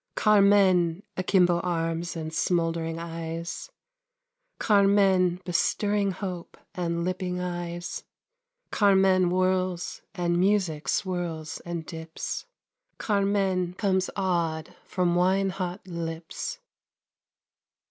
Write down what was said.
Carmen! Akimbo arms and smouldering eyes; Carmen! Bestirring hope and lipping eyes; Carmen whirls, and music swirls and dips. "Carmen!," comes awed from wine hot lips.